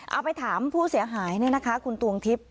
เอาไปถามผู้เสียหายเนี่ยนะคะคุณตวงทิพย์